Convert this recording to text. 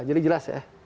jadi jelas ya